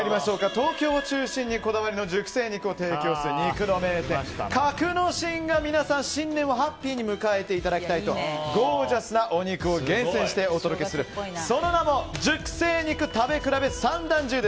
東京を中心にこだわりの熟成肉を提供する肉の名店、格之進が皆さん、新年をハッピーに迎えていただきたいとゴージャスなお肉を厳選してお届けするその名も熟成肉食べ比べ三段重。